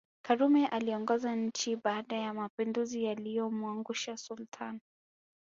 Karume aliongoza nchi baada ya mapinduzi yaliyomwangusha Sultani